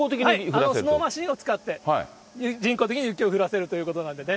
スノーマシーンを使って、人工的に雪を降らせるということなんでね。